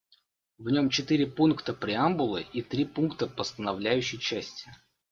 В нем четыре пункта преамбулы и три пункта постановляющей части.